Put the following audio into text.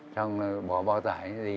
trong bỏ bao tải gì